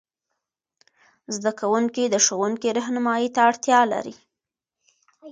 زده کوونکي د ښوونکې رهنمايي ته اړتیا لري.